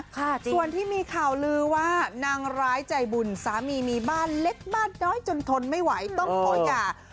ส่วนที่มีข่าวลือว่านางร้ายใจบุญสามีมีบ้านเล็กบ้านน้อยจนทนไม่ไหวต้องขอหย่า